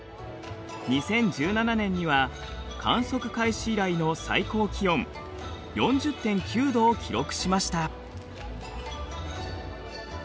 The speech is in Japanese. ２０１７年には観測開始以来の最高気温４０．９度を記録しました。